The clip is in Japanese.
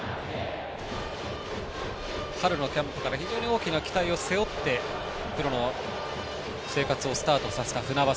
春のキャンプから非常に大きな期待を背負ってプロの生活をスタートさせた船迫。